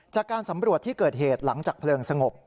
จากการสำรวจที่เกิดเหตุหลังจากเพลิงสงบ